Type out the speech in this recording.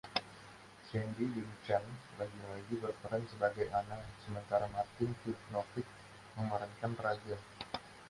Sandy Duncan lagi-lagi berperan sebagai Anna, sementara Martin Vidnovic memerankan Raja.